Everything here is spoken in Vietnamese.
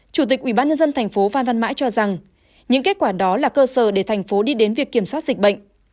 chủ tịch ubnd tp vnm cho rằng những kết quả đó là cơ sở để thành phố đi đến việc kiểm soát dịch bệnh